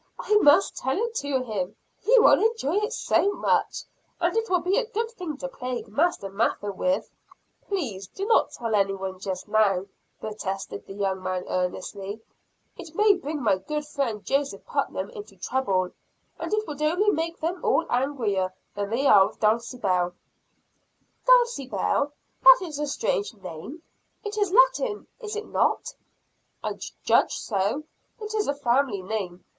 I must tell it to him he will enjoy it so much. And it will be a good thing to plague Master Mather with." "Please do not tell anyone just now," protested the young man earnestly. "It may bring my good friend, Joseph Putnam, into trouble. And it would only make them all angrier than they are with Dulcibel." "Dulcibel that is a strange name. It is Italian is it not." "I judge so. It is a family name.